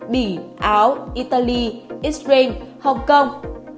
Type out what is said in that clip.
bỉ áo italy israel hong kong